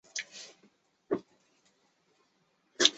有时有蕈环。